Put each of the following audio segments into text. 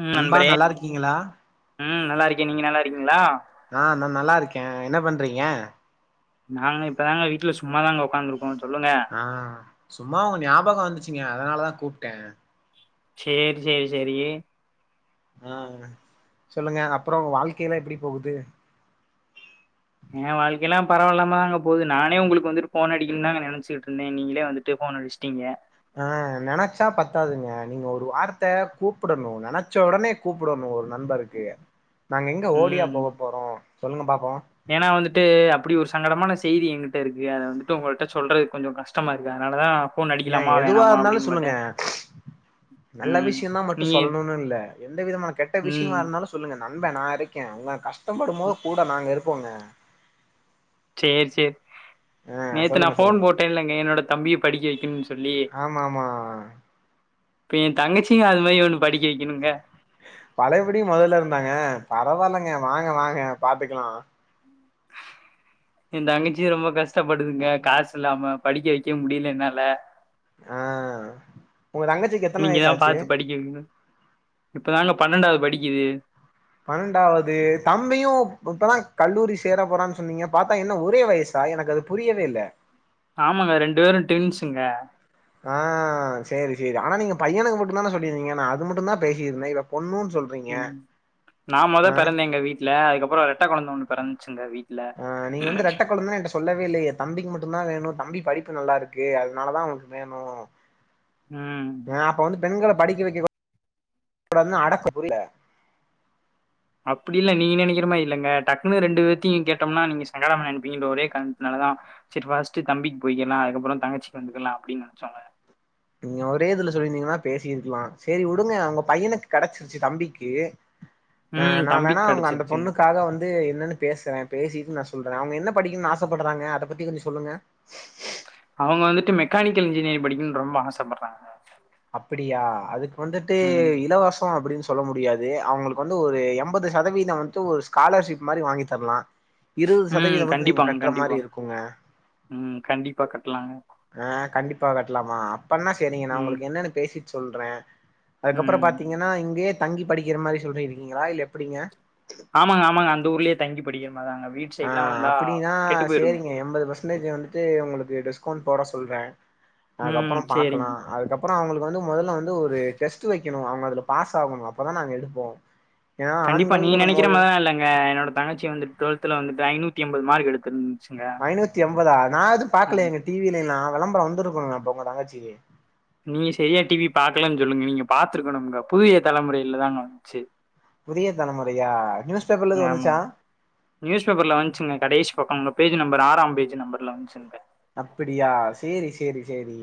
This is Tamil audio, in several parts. ம் நண்பா நண்பரே நல்லா இருக்கீங்களா ம் நல்லா இருக்கே நீங்க நல்லா இருக்கீங்களா ஆ நா நல்லா இருக்கே என்ன பண்றீங்க நாங்க இப்பதாங்க வீட்டுல சும்மாதாங்க ஒக்காந்துருக்கோ ஆ சும்மா உங்க ஞாபகோ வந்துச்சுங்க அதனாலதா கூப்ட்ட செரி செரி செரி ஆ சொல்லுங்க அப்புரோ வாழ்க்கைளா எப்டி போகுது ஏ வாழ்க்கையல்லா பரவாலமா அங்க போகுது நானே உங்களுக்கு வந்துட்டு போன் அடிகனுனா நனச்சிட்டு இருந்தே நீங்களே வந்துட்டு போன் அடிச்சுட்டிங்க ஆ நெனச்சா பத்தாதுங்க நீங்க ஒரு வார்த்த கூப்டணு நனச்ச உடனே கூப்டணு ஒரு நண்பா இருக்கு நாங்க எங்க ஓடியா ம் போக போறோ சொல்லுங்க பாப்போ ஏனா வந்துட்டு அப்டி ஒரு சங்கடமான செய்தி எங்கிட்ட இருக்கு அத வந்துட்டு உங்கள்ட்ட சொல்றது கொஞ்சோ கஷ்டமா இருக்கு அதனாலதா ஃபோன் ஏன் அடிக்கலாமா எதுவா வேணாமா இருந்தாலு அப்டின் பாத்தே சொல்லுங்க நல்ல ம் விஷயம்தா மட்டும் நீங்க சொல்லணும்னு இல்ல எந்த விதமான கெட்ட ம் விஷயமா இருந்தாலு சொல்லுங்க நண்ப நா இருக்கே உங்க கஷ்டோ ப்படும்போது கூட நாங்க இரு போங்க செரி செரி நேத்து நா சொல்லுங்க போன் சொல்லுங்க போட்டேன்லைங்க என்னோட தம்பிய படிக்க வைக்கணும்னு சொல்லி ஆமா ஆமா இப்ப என் தங்கச்சிங்க அது மாரி ஒண்ணு படிக்க வைக்கணுங்க பழையபடியு முதல்ல இருந்தாங்க பரவாயில்லங்க வாங்க வாங்க பாத்துக்கலா என் தங்கச்சி ரொம்ப கஷ்டப்படுதுங்க காசு இல்லாம படிக்க வைக்க முடியல என்னால ஆ உங்க தங்கச்சிக்கு எத்தன நீங்க தா வயசாச்சி பாத்து படிக்க வைக்கணு இப்பதாங்க பன்னெண்டாவது படிக்கிது பன்னெண்டாவது தம்பியு இப்பதா கல்லூரி சேர போறான்னு சொன்னீங்க பார்த்தா என்ன ஒரே வயசா எனக்கு அது புரியவே இல்ல ஆமாங்க ரெண்டு பேரும் டிவின்ஸ்சுங்க ஆ செரி செரி ஆனா நீங்க பையனுக்கு மட்டு தானே சொல்லியிருந்தீங்க நா அது மட்டு தா பேசியிருந்தே இப்ப பொண்ணு உம் நா மொத பெறந்தே எங்க வீட்டுல அதுக்கப் அப்றோ ரெட்ட கொழந்த ஒன்னு பெறந்திச்சிங்க வீட் ஆ நீங்க வந்து ரெட்ட கொழந்தேனு ஏன்ட சொல்லவே இல்லயே தம்பிக்கு மட் டுதா வேணு தம்பி படிப்பு நல்லா இருக்கு அதனால தா அவனுக் வேணு ம் ஆ அப்ப வந்து பெண்கள படிக்க வெக்க [unintelligible] அடக்க புரியல அப்டிலா நீங்க நெனைக்கிற மாரி இல்லங்க டக்குன்னு ரெண்டு பேத்தையு கேட்டோம்னா நீங்க சங்கமா நெனைப்பீங்க ஒரே கார்ணத்துனாலதா செரி ஃபஸ்ட் தம்பிக்கு போய்கில்லா அதுக்கப்ரோ தங்கச்சிக் வந்துக்கலா அப்டின்னு நெனச்சொங்க நீங்க ஒரே இதுல சொல்லிருந்தீங்கன்னா பேசிருக்கலா செரி வுடுங்க அவங்க பையனுக் கெடச்சிருச்சி தம்பிக்கு ஹ ம் நா தம்பிக்கு வேணா அவங்க அந்த கெடச்சிருச்சுங்க பொண்ணுக்காக வந்து என்னன்னு பேசுற பேசிட்டு நா சொல்ற அவங்க என்ன படிக்கனு ஆசப்பட்றாங்க அத பத்தி கொஞ்சோ சொல்லுங்க அவங்க வந்துட்டு மெக்கானிக்கல் இன்ஜினியரிங் படிக்கனு ரொம்ப ஆசப்படுறாங்க அப்பிடியா அதுக் வந்துட்டு இலவசோ அப்டின் சொ சொல்ல முடியாது அவங்களுக் வந்து ஒரு எம்பது சதவீத [unintelligible] வந்து ஒரு ஸ்காலர்ஷிப் மாரி வாங்கி தரலா இருபது உம் சதவீதம் மட்டு நீங்க கண்டிப்பாங் கட்டுற மாரி கண்டிப்பா இருக்குங்க உம் கண்டிப்பா கட்லாங்க ஆ கண்டிப்பா கட்டலாமா அப்பனா செரிங்க நா ம், உங்களுக்கு என்னன்னு பேசிட் சொல்றே அதுக்கப்பறோ ம். பாத்தீங்கன்னா இங்கேயே தங்கி படிக்கிற மாரி சொல்ருக்கீங்களா இல்ல எப்டிங்க ஆமாங்க ஆமாங்க அந்த ஊர்லயே தங்கி படிக்கணு ஆ அப்டின்னா போயிருங்க. சேரிங்க எம்பது பர்சன்டேஜ் வந்துட்டு உங்களுக்கு டிஸ் கோன் போட சொல்ற ம். அதுக்கப்றோ பாக்கலா சரிங்க. அதுக்கப்றோ அவங்களுக் வந்து மொதல [unintelligible] இந்த ஒரு டெஸ்ட் வெக் கணு அவங்க அதுல பாஸ் ஆகணு அப்பதா நாங்க எடுப்போ ஏன்னா கண்டிப்பா நீ ஆண்கள்ங்கும் நெனக்கிற போது மாரிலா இல்லங்க என்னோட தங்கச்சி வந்து டுவெல்துல வந்து ஐநூதிஎம்பது மார்க் எடுத்திருந் ஐநூத்தி எம்பதா நா எதுவு பாக்கலயேங்க டிவிலிலா வெளம்பரோ வந் துருக்குங்க அப்ப உங்க தங்கச்சிக்கு நீங்க செரியா டிவி பாக்கலனு சொல்லுங்க நீங்க பாத்துருக்கணுங்க புதிய தலைமுறையிலதாங்க வந்ச்சு புதிய தலமுறையா நியூஸ் பேப்பர்ல எது வந்துச்சா ஆமாங்க. பக்கோ ம் பேஜி நம்பரு ஆறாம் பேஜி நம்பர்ல வந்ச்சுங்க அப்படியா சேரி சேரி சேரி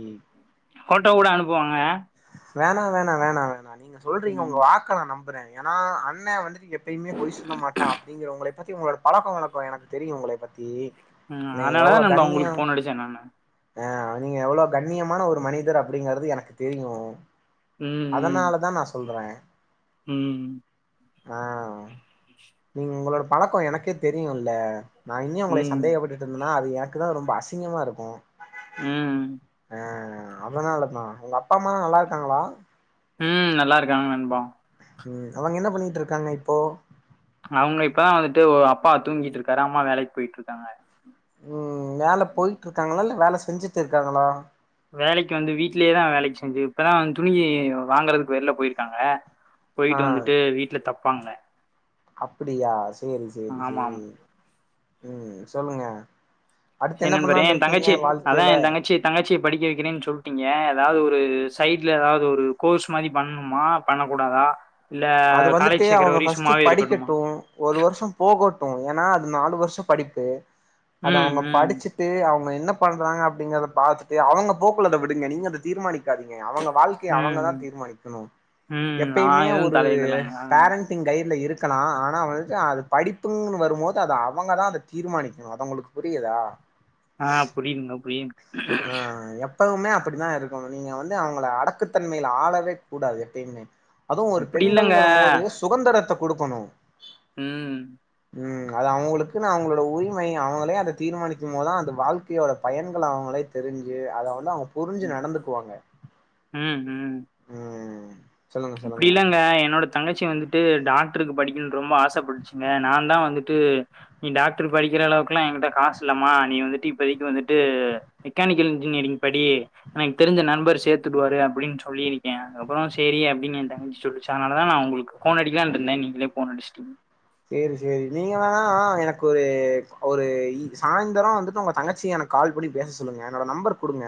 ஃபோட்டோ கூட அனுப்புவாங்க வேணா வேணா வேணா வேணா நீங்க சொல்றீங்க ம், உங்க வாக்க நா நம் புறே ஏனா அண்ணே வந்து எப்பயுமே பொய் சொல்ல மாட்டா அப்டிங்கிறவுங்களை பத்தி உங்களோட பழக்கவழக்கொ எனக்கு தெரியு உங்களை பத்தி ம் நீங்க அத்னாலதா நண்பா உங்குளுக் ஃபோன் அடிச்சே நானு அ நீங்க எவ்ளோ கண்ணியமான ஒரு மனிதர் அப்படிங்கறது எனக்கு தெரியு ம், அதனாலதா நா சொல்றே ம் ம் ஆ நீங்க உங்களோட பழக்கோ எனக்கே தெரியுல்ல நா இன்னியு அவுங்களை ம். சந்தேகப்பட்டு இருந் நா அது எனக்குதா ரொம்ப அசிங்கமா இருக்கு ம் எ அதனாலதா உங்கப்பா அம்மால்லா நல்லா இருக்காங்களா ம் நல்லா இருக்காங்க நண்பா ம் அவங்க என்ன பண்ணிட்ருக்காங்க இப்போ அவுங்க இப்பதா வந்துட்டு ஒரு அப்பா தூங்கிட்டு இருக்காரு அம்மா வேலைக்கு போயிட்டு இருக்காங்க ம் வேல போயிட்டு இருக்காங்ளா இல்ல வேல செஞ் செஞ்சுட்டு இருக்காங்ளா வேலைக்கு வந்து வீட்லயேதா வேலைக்கு செஞ்சு இப்பதா அந் துணி வாங்கறதுக்கு வெள்ல போயிருக்காங்க ஆ போயிட்டு வந்துட்டு வீட்ல தப் ப்பாங்ளே அப்படியா சேரி சேரி ஆமா சேரிங் ம் சொல்லுங்க அடுத்து செரி என்ன நண்பரே பண்ணலான்னு என் இருக்கீங்க தங்கச்சிய அதா வாழ்க்கையில என் தங்கச்சிய தங்கச்சி படிக்க வைக்கிறேன்னு சொல்ட்டீங்க எதாவது ஒரு சைடுல எதாவது ஒரு கோர்ஸ் மாரி பண்ணுமா பண்ணகூடாதா அது வந்துட்டு அவுங்க ஃபர்ஸ்ட் இருக்கட்டுமா படிக்கட்டு ஒரு வருஷம் போகட்டு ஏனா அது நாலு வருஷோ படிப்பு அது ம் அவுங்க ம் படிச்சிட்டு அவுங்க க என்ன பண்றாங்க அப்படிங்கறத பாத்துட்டு அவங்க போக்குல அத விடுங்க நீங்க அத தீர்மானிக்காதீங்க அவங்க வாழ்க்கைய அவங்க தா ம் தீர்மானிக்குணு ம் நா எப்பைமே எதுவு ஒரு ஒரு தலையிடலங்க ஆ பேரன்ட்டிங் கை ல இருக்கலா ஆனா வந்துட்டு அது படிப்புங் வரும்போது அத அவங்கதா அத தீர்மானிக்கணு அது உங்களுக்கு புரியுதா ஆ புரியுதுங்க புரியுதுங்க ஆ எப் இப்பவுமே அப்படித்தா இருக்காங்க நீங்க வந்து அவங்கள அடக்குத்தன்மையில ஆளவே கூடாது எப்பைமே அதுவு ஒரு இப்டி பெண்கள்ங்கிறம்போது இல்லங்க சுதந்திரத்த குடுக்குணு ம் ம் அது அவுங்களுக்குன்னு அவுங்களோட உரிமை அவுங்களே அத தீர்மானிக்கும்போதுதா அந்த வாழ்க்கையோட பயன்கள் அவுங்களே தெரிஞ்சு அத வந்து அவங் புரிஞ்சு ம். நடந்துக்குவாங்க ம் சொல்லுங்க அப்டி சொல்லுங்க இல்லங்க என்னோட தங்கச்சி வந்துட் டு டாக்ட்ருக்கு படிக்கின் ரொம்ப ஆசைப்பட்சுங்க நா தா வந்துட்டு நீ டாக்ரு படிக்கிற அளவுக்கெல்லா என்கிட்ட காசில்லாம நீ வந்துட்டு இப்பதைக்கு வந்துட்டு மெக்கானிக்கல் இன்ஜினியரிங் படி எனக் தெரிஞ்ச நண்பர் சேர்த்துடுவாரு அப்படின் சொல்லிருக்கே அப்புறோ சேரி அப் டின் என் தங்கக் சொல்லுச்சா அதனால தா நா உங்குளுக்கு ஃபோன் அடிக்லான்ருந்தே நீங்களே ஃபோன் அடிஷ்ட்டீங் சேரி சேரி நீங்க வேணா எனக்கு ஒரு ஒரு ஈ சாய்ந் லரோ வந்துட்டு உங்க தங்கச்சிய எனக்கு கால் பன்னி பேச சொல்லுங்க என்னோட நம்பர் குடுங்க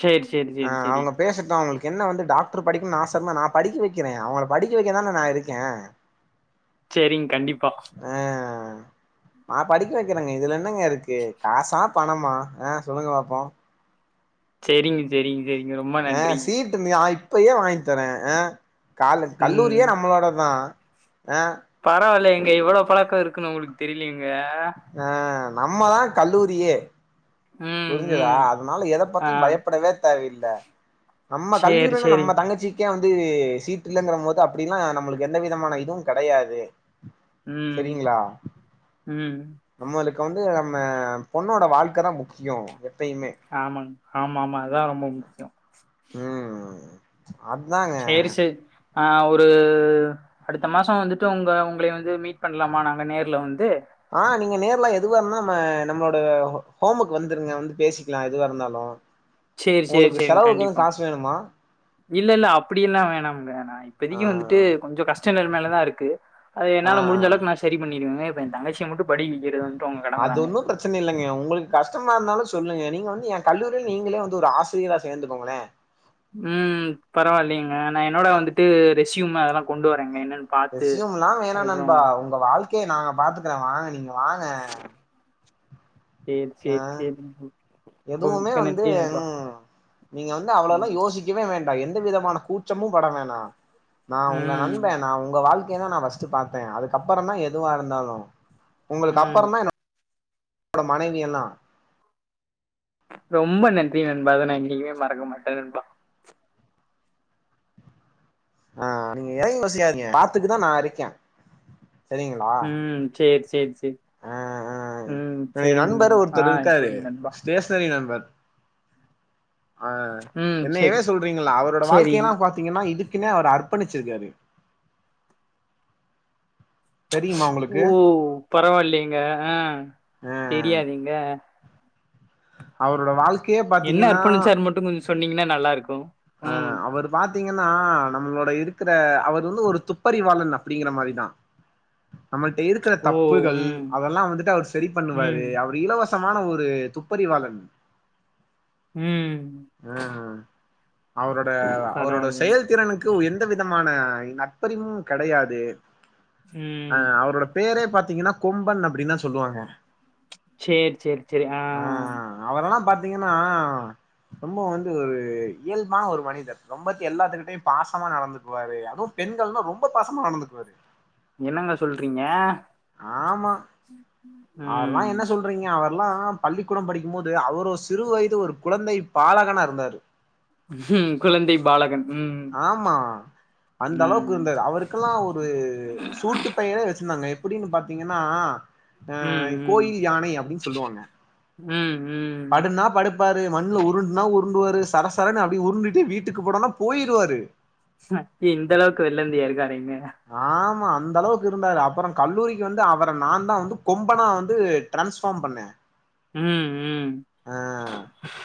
சேரி சேரி சேரி ஆ சரி அவங்க பேசட்டு அவங்களுக்கு என்ன வந்து டாக்ரு படிக்குன் ஆசன்னா நா படிக்க வெக்கிறே அவங்கள படிக்க வெக்க தான நா இருக்கே சேரிங் கண்டிப் பா ஆ நா படிக்க வெக்கிறேங்க இதுல என் னங்க இருக்கு காசா பணமா அ சொல்லுங்க பாப்போ செரிங்க செரிங்க அ சீட்டுர்ந்ங்க ஆய் டு இப்பயே வாய்ங்தரே அ காலே கல்லூரியே நம்மளோடத் தா பரவால்ல இவ்ளோ பழக்கோ இருக்குன் நம்முளுக் தெரிலியே அ நம்மதா கல்லூரியே ம். புரிஞ்சதா ம். அதுனால எத ஆ. பத்தி பயப்படவே தேவயில் ல நம்ம சரி, தல்லியூறனு சரி. நம்ம தங்கச்சி ஏன் வந்து சீட்டு இல்லங்கிறங்கதா அப்டிலா நம்மளுக்கு எந்த விதமான இதுவு கடையாது ம், செரிங்களா ம். நம்மளு க்கு வந்து நம்ம பொண்ணோட வாழ்க்க தா முக் கியோ ஆமாங் ஆமா ஆமா அதா ரொம்ப முக்கியோ ம் அதாங்க சேரி சேரி நா ஒ ரு அடுத்த மாசோ வந்துட்டு உங்கள உங்களை வந்து மீட் பண்லாமா நாங்க நேர்ல வந்து ஆ நீங்க நேர்ல எதுவாருங்தாலு நம்ம நம்மளோட ஹோமுக்கு வந்துருங்க வந்து பேசிக்கலா எதுவா இருந்தாலு சரி, சரி, உங்களுக்கு சரிங்க. செலவுக்கு எது கண்டிப்பா. காசு வேணுமா இல்ல இல்ல அப்படி எல்லா வேணாம்ங்க நா அ ஆ இப்பதைக்கி வந்துட்டு கொஞ்சோ கஷ்ட நிலமைலதா இருக்கு அது ஆ என்னால முடிஞ்ச அளவுக்கு நா சரி பண்ணிடுவே ஏ தங்கச்சி மட்டும் படிக்க வைக்கிறது வந்துட்டு உங்க கடம அது தாங்க. ஒன்னு பிரச்சனை இல்லைங்க உங்களுக்கு கஷ்டமாருந்தாலு சொல்லுங்க நீங்க வந்து ஏ கல்லூரியில நீங்களே வந்து ஒரு ஆசிரியரா சேந்து கோங்களே ம் பரவாயில்லலைங்க நா என்னோட வந்துட்டு ரெசியும் அதெல்லா கொண்டு வறங்க என்னன் ரெசியும்லா வேணா நண்பா உங்க வாழ்க் கையே நாங்க பாத்துக்கிறோ வாங்க நீங்க வாங்க சரி, அ சரி, சரிங்க. ரொம்ப எதுவுமே மிக்க வந்து நன்றி நண்பா. ம் நீங்க வந்து அவ்ளோல்லா ம். யோசிக்கவே வேண் டா எந்த விதமான கூச்சமும் பட வேணா நா உங்க ம் நண்பே நா உங்க வாழ்க் கையே நா ஃபஸ்ட் பாப்பே அதுக்கப்புறோ தா எதுவா இருந்தாலு உங்களுக்கு ம் அப்புறோ தா என் னோட மனைவியெல்லா ரொம்ப நன்றி நண்பா அத நா என்னைக்குமே மறக்க மாட்டே நண்பா அ நீங்க எதையுமே செய்யாதீங்க பாத்துக்கதா நா இருக்கே செரிங்களா ம் சேரி சேரி சேரி அ அ ம் என்னுடைய சரிங் நண்பருன்னு ஆ ஒருத்தரு இருக்காரு சரிங் நண்பா ஸ்டேஷனரி நண்பர் ஆ ம் என்னயவே சரி சொல்றீங்ள அவரோட சரி வாழ்க்கேயெல்லா பாத்தீங்கன்னா இது குனே அவரு அர்பணிச்சிருக்காரு ஓ பரவாயில்லலைங்க அ ஆ தெரியாதுங்க அவரோட வாழ் என்ன அர்ப்பணிச்சார்ன் மட்டு கொஞ்ச சொன்னீங்கன்னா நல்லாருக்கு அ அவரு பாத்தீங்கன்னா நம்ளோட இருக்குற அவர் வந்து ஒரு துப்பறிவாளன் அப்டிங்கிற மாரிதா நம்மள்ட்ட இருக்கற ஓ தப்புகள் ம் அதல்லா வந்துட்டு அவர் செரி ம் பண்ணுவாரு அவர் இலவ சமான ஒரு துப்பறிவாளன் ம் ம் ம் அவரோட அவரோட பரவாயில்லைங் செயல்திறனுக் கு எந்த விதமான நட்பறிவும் கெடையாது அ ம் அவுரோட பேரே பாத்தீங்கன்னா கொம்பன் அப்டின் தா சொல்லுவாங்க சேர் சேர் செரி அ அ த்தீங்கன்னா அ ரொம்பவு வந்து ஒரு இயல்பான ஒரு மனிதர் ரொம்பத் எல்லாத்துக்கிட்டயு பாசமா நடந்துக்குவாரு அதுவும் பெண்கள்னா ரொம்ப பாசமா நடந்துக்குவாரு என்னங்க சொல்றீங்க அவர்ல்லா ம் என்ன சொல்றீங்க அவர்லா பள்ளிக்கூடம் படிக்கும் போது அவர் ஒ சிறு வயது ஒரு குழந்தை பாலகனா இருந்தாரு குழந்தை பாலகன் ம் ஆம்மா அந்த அளவுக்கு ம் இருந்தது அவருக்கல்லா ஒரு சூட்டுப் பெயரே வெச்சிந்தாங்க எ ப்புடின்னு பாத்தீங்கன்னா அ ம் ம் கோயில் யானை அப்டின் சொல்லுவாங்க ம் ம் படுன்னா படுப்பாரு மண்ணுல உருட்ணா உ ருண்டுவாரு சரசரனு அப்டியே உருண்டுட்டே வீட்டுக்கு போடானா போயிருவாரு இந்த அளவுக்கு வெல்லந்தியா இருக்காரேங்க ஆமா அந்த அளவுக்கு இருந்தாரு அப்றோ கல்லூரிக்கு வந்து அவர நாந்தா வந்து கொம்பனா வந்து டிரான்ஸ்ஃபாம் பண்ணே ம் ம் அ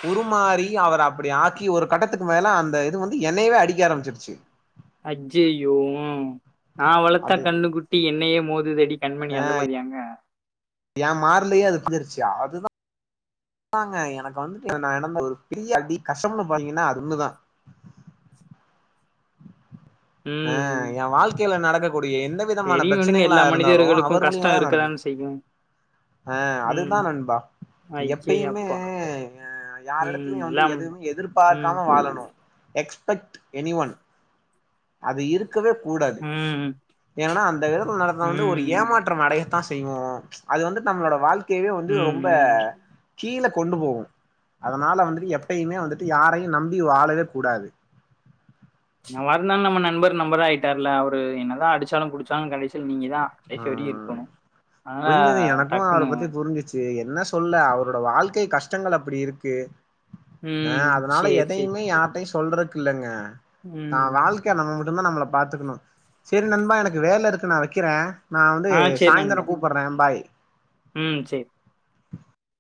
உருமாறி அவர அப்டி ஆக்கி ஒரு கட்டத்துக் கு மேல அந்த இது வந்து என்னைவே அடிக்க ஆரமிச்சிருச்சி அஜ்ஜய்யோ நா வளத்தா அது கண்ணுக் குட்டி என்னையே மோது தடி கண்மணி அந்த மாரியாங்க ஏ‌ மார்லியே அது [inaudible] எனக்கு வந்துட்டு [inaudible] பெரிய அடி கஷ்டமுன்னு பாத்திங்கன்னா அது ஒண்ணு தா அ ம். எ வாழ்க்கைல நட கூடிய எந்த விதமான பெரியவனுங்க பிரச்சனைகளா எல்லா இருந்தாலு மனிதர்களுக்கும் அவர் மூலியமா கஷ்டம் தான் நடக்குது இருக்கதான செய்யும். அ ம். அதுதான் நண்பா எப்பயுமே ஐயேயப்பா! ம் யாரிடத்துலயும் வந்து எல்லாம் எதுவுமே ம். எதிர்பாக்காமலே வாழணும் ம். எக் செப்ட் எனி ஒன் அது இரு இருக்கவே கூடாது ம். என்னனா அந்த விதத்தில் நடந்து வந்து ஒரு ம். ஏமாற்றம் அடைய தான் செய்வோ அது வந்து நம்முளோட வாழ்க்க யவே வந்து ரொம்ப ம். கீழ கொண்டு போகும் அதனால வந்துட்டு எப்பயுமே வந்துட்டு யாரையும் நம்பி வாழவே கூடாது எந்நவாயிறுந்தாலும் நம்ம நண்பர் மெம்பரா ஆயிட்டார்ல அவரு என்னதான் அடிச்சாலும் குடிச்சாலும் கடைசில நீங்க தான் ஆ கடைசி வரையும் ஆ இருக்கணும். அதனால புரிஞ்சது எனக்கும் அவர டக்குன்னு பத்தி புரிஞ்ச்சிச்சு என்ன சொல்ல அவரோட வாழ்க்கை கஷ்டங்கள் அப்டி இருக்கு அ ம். அதனால சேரி, சேரி. எதையுமே யாரட்டையு சொல்றதுகில்லங்க தான் ம். வாழ்க்கைய நம்ம மு நம்ம நம்மள பாத்துக்கணும் சரி நண்பா எனக்கு வேல இருக்கு நா வைக்கிறே நான் வந்து ஆ சரி நண்பா. சாய்ந்தரம் கூப்பிட்றே பாய் ம் செரி